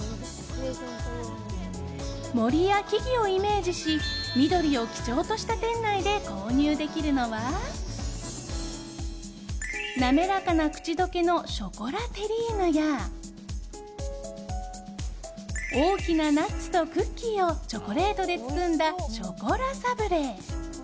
森や木々をイメージし緑を基調とした店内で購入できるのは滑らかな口溶けのショコラテリーヌや大きなナッツとクッキーをチョコレートで包んだショコラサブレ。